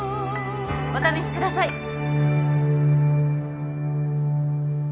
お試しください